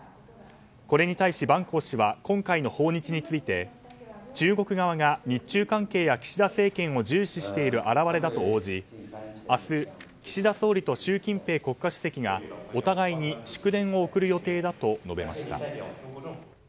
これに対し、バン・コウ氏は今回の訪日について中国側が日中関係や岸田政権を重視している表れだと応じ明日、岸田総理と習近平国家主席がお互いに祝電を送る予定だと述べました。